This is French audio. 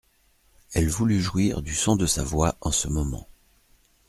Elle voulut jouir du son de sa voix en ce moment.